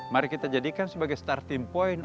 mari kita jadikan sebagai starting point